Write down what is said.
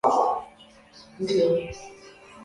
Ata sijui anafanya nini hapa